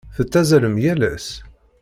Tettazzalem yal ass?